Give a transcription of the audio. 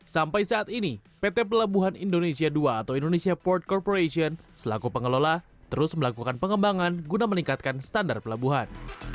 sampai saat ini pt pelabuhan indonesia ii atau indonesia port corporation selaku pengelola terus melakukan pengembangan guna meningkatkan standar pelabuhan